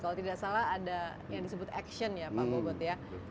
kalau tidak salah ada yang disebut action ya pak bobot ya